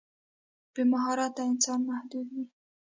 بې مهارته انسان محدود وي.